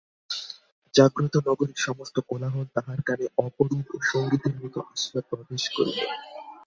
জাগ্রত নগরীর সমস্ত কোলাহল তাহার কানে অপরূপ সংগীতের মতো আসিয়া প্রবেশ করিল।